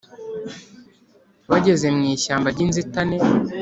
bageze mu ishyamba ry'inzitane,